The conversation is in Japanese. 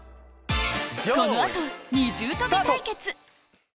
この後二重跳び対決！